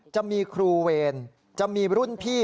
จะมีครูเวรจะมีรุ่นพี่